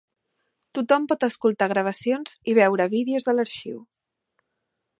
Tothom pot escoltar gravacions i veure vídeos de l'arxiu.